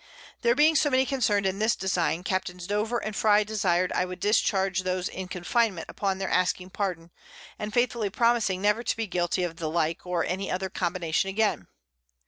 There being so many concern'd in this Design, Captains Dover and Fry desired I would discharge those in Confinement upon their asking Pardon, and faithfully promising never to be guilty of the like, or any other Combination again.